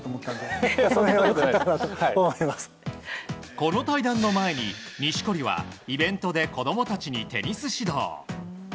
この対談の前に錦織はイベントで子供たちにテニス指導。